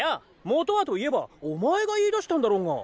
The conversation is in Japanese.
もとはと言えばお前が言い出したんだろうが。